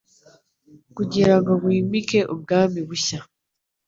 kugira ngo wimike ubwami bushya.